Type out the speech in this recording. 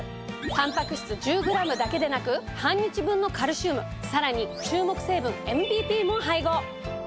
たんぱく質１０ｇだけでなく半日分のカルシウムさらに注目成分ＭＢＰも配合。